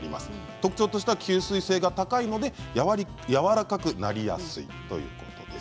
特徴としては吸水性が高いのでやわらかくなりやすいということです。